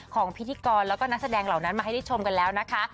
พิธีกรแล้วก็นักแสดงเหล่านั้นมาให้ได้ชมกันแล้วนะคะ